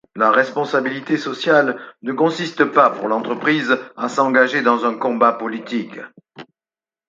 La responsabilité sociale ne consiste pas pour l’entreprise à s’engager dans un combat politique.